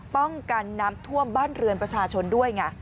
ป้องกันน้ำท่วมบ้านเรือนประชาชนด้วยไง